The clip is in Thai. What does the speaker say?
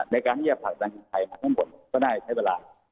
ในการที่จะผลักดันคนไทยมาข้างบนก็น่าใช้เวลา